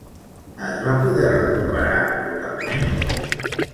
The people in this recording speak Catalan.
Es va poder recuperar totalment?